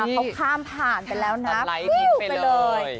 เขาข้ามผ่านไปแล้วนะปิ้วไปเลย